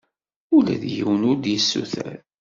Ula d yiwen ur d-yessuter.